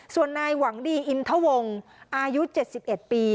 ส่วนนายหวังดีอินทะวงอายุเจ็ดสิบเอ็ดปี